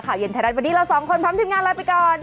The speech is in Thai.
เย็นไทยรัฐวันนี้เราสองคนพร้อมทีมงานลาไปก่อน